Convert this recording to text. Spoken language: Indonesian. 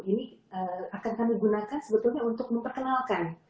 ini akan kami gunakan sebetulnya untuk memperkenalkan